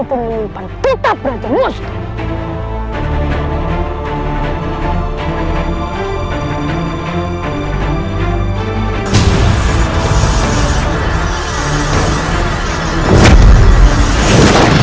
tempat kita berajam musti